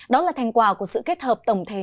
đó là thành quả của sự kết hợp tổng thể